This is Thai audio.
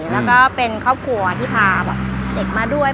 แล้วก็เป็นครอบครัวที่พาเด็กมาด้วย